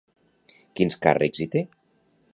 Quins càrrecs hi té?